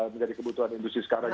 menjadi kebutuhan industri sekarang